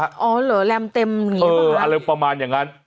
อ๋อเหรอแรมเต็มอย่างนี้เอออะไรประมาณอย่างนั้น